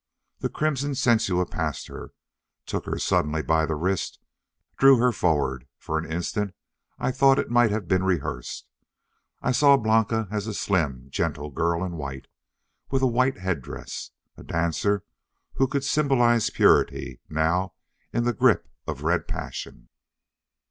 The crimson Sensua passed her, took her suddenly by the wrist, drew her forward. For an instant I thought it might have been rehearsed. I saw Blanca as a slim, gentle girl in white, with a white head dress. A dancer who could symbolize purity, now in the grip of red passion.